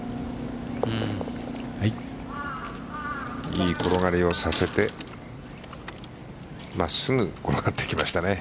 いい転がりをさせて真っすぐ転がってきましたね。